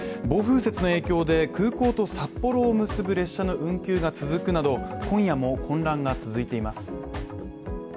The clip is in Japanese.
暴風雪の影響で空港と札幌を結ぶ列車の運休が続くなど今夜も混乱が続いています。